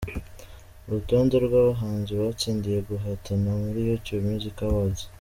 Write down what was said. Urutonde rw’abahanzi batsindiye guhatana muri YouTube Music Awards :.